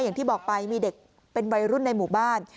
อย่างที่บอกไปมีเด็กเป็นวัยรุ่นในหมู่บ้าน